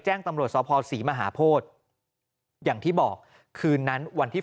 แจ้งตำรวจสภศรีมหาโพธิอย่างที่บอกคืนนั้นวันที่